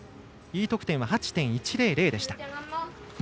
Ｅ得点は８．１００でした。